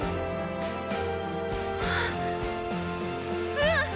うん！